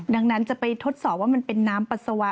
ดังนั้นจะไปทดสอบว่ามันเป็นน้ำปัสสาวะ